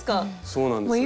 そうなんです。